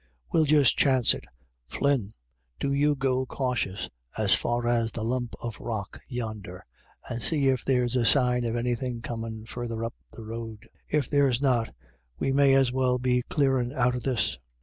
We'll just chance it — Flynn, do you go cautious as far as the lump of rock yonder, and see if there's a sign of anything coming further up the road. If there's not, we may as well be clearin' out of this."